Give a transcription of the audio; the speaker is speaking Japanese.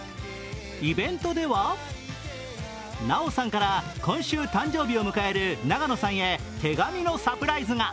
イベントでは奈緒さんから今週誕生日を迎える永野さんへ手紙のサプライズが。